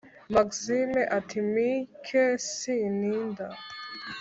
maxime ati"mike sintinda